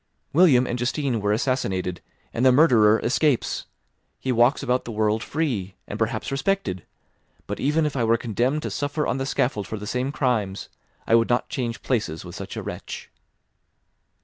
William and Justine were assassinated, and the murderer escapes; he walks about the world free, and perhaps respected. But even if I were condemned to suffer on the scaffold for the same crimes, I would not change places with such a wretch."